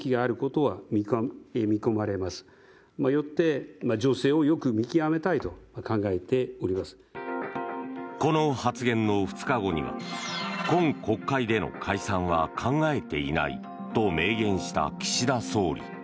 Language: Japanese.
秋本議員の収賄疑惑によりこの発言の２日後には今国会での解散は考えていないと明言した岸田総理。